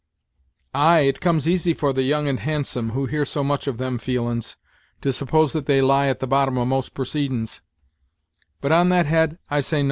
"Ay, it comes easy for the young and handsome, who hear so much of them feelin's, to suppose that they lie at the bottom of most proceedin's; but, on that head, I say nothin'.